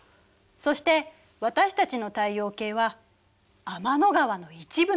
そして私たちの太陽系は天の川の一部なの。